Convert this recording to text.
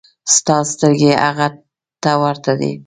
ستا سترګې هغه ته ورته دي.